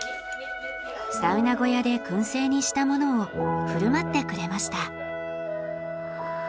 サウナ小屋でくん製にしたものを振る舞ってくれました。